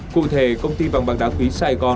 cụ thể công ty vàng bạc đá quý sài gòn